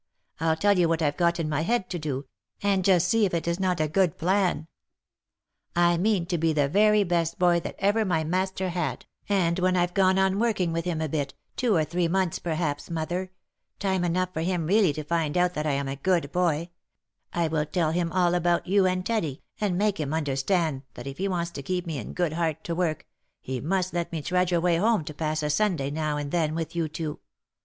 I'll tell you what I've got in my head to do, and just see i2 148 THE LIFE AND ADVENTURES if it is not a good plan. I mean to be the very best boy that ever my master had, and when I've gone on working with him a bit, two or three months, perhaps, mother, — time enough for him really to find out that I am a good boy, — I will tell him all about you and Teddy, and make him understand that if he wants to keep me in good heart to work, he must let me trudge away home to pass a Sunday now and then with you two.